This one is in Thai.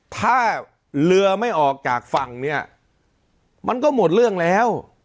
ถ้าเรือไม่ออกจากฝั่งเนี่ยมันก็หมดเรื่องแล้ว